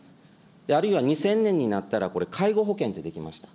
あるいは２０００年になったら、これ、介護保険ってできました。